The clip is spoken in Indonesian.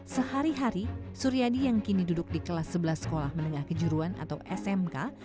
sehari hari suryadi yang kini duduk di kelas sebelas sekolah menengah kejuruan atau smk